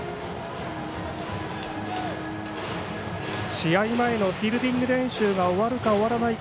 試合前のフィールディング練習が終わるか、終わらないか